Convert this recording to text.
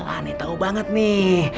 aneh tau banget nih